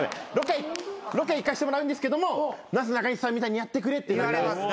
ロケ行かしてもらうんですけどもなすなかにしさんみたいにやってくれって。